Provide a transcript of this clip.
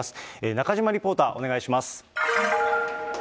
中島リポーター、お願いします。